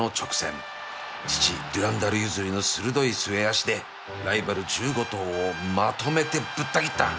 父デュランダル譲りの鋭い末脚でライバル１５頭をまとめてぶった切った